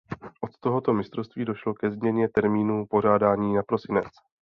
Od tohoto mistrovství došlo ke změně termínu pořádání na prosinec.